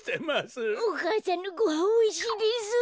お母さんのごはんおいしいです。